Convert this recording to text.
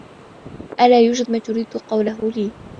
ألا يوجد ما تريد قوله لي؟